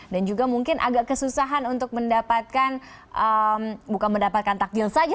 dan juga mungkin agak kesusahan untuk mendapatkan bukan mendapatkan takdir saja